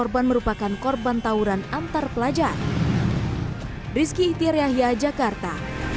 pembakar korban tawuran antar pelajar rizky tyriahia jakarta